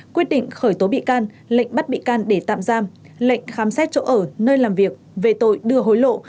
quyết định khởi tố bị can lệnh bắt bị can để tạm giam lệnh khám xét chỗ ở nơi làm việc về tội đưa hối lộ